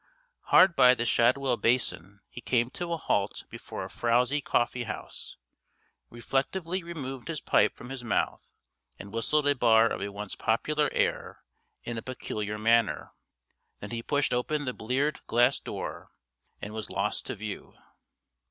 Hard by the Shadwell Basin he came to a halt before a frowsy coffee house, reflectively removed his pipe from his mouth, and whistled a bar of a once popular air in a peculiar manner. Then he pushed open the bleared glass door, and was lost to view.